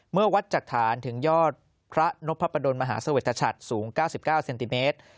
เมื่อวัดจากฐานถึงยอดพระนพประดนมหาเสวชชัดสูง๙๙เซนติเมตร